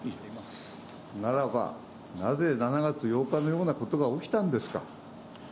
ならば、なぜ７月８日のようなことが起きたんですか。